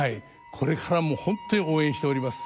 これからも本当に応援しております。